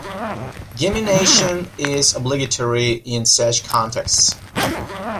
Gemination is obligatory in such contexts.